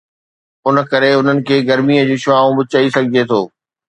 ان ڪري انهن کي گرميءَ جون شعاعون به چئي سگهجي ٿو